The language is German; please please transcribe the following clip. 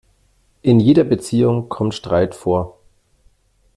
In jeder Beziehung kommt Streit vor.